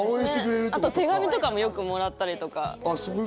あと手紙とかもよくもらったりとか。